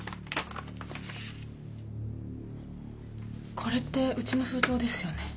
これってうちの封筒ですよね？